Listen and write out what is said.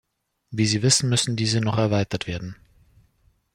Wie Sie wissen, müssen diese noch erweitert werden.